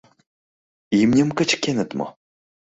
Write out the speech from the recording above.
Имньым кычкеныт мо?